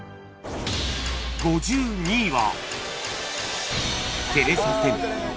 ５２位は